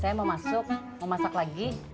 saya mau masuk mau masak lagi